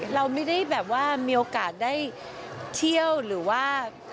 เราไม่ได้แบบว่ามีโอกาสได้เที่ยวหรือว่า